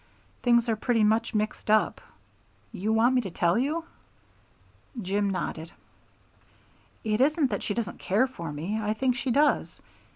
Things are pretty much mixed up. You want me to tell you?" Jim nodded. "It isn't that she doesn't care for me. I think she does.